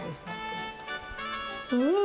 うん！